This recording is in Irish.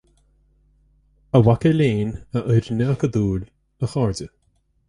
A mhaca léinn, a fhoirne acadúil, a chairde,